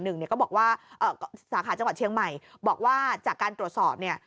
ก็บอกว่าสาขาจังหวัดเชียงใหม่บอกว่าจากการตรวจสอบเนี่ย